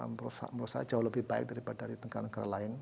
menurut saya jauh lebih baik dari negara negara lain